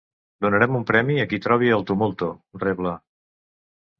Donarem un premi a qui hi trobi el “tumulto”, rebla.